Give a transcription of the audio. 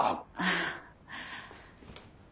ああ。